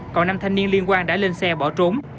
còn năm thanh niên liên quan đã lên xe bỏ trốn